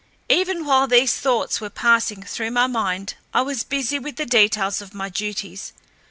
Even while these thoughts were passing through my mind I was busy with the details of my duties.